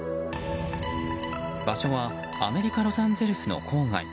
場所はアメリカ・ロサンゼルスの郊外。